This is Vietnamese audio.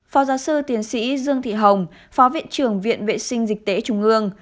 phó giáo sư tiến sĩ dương thị hồng phó viện trưởng viện vệ sinh dịch tễ trung ương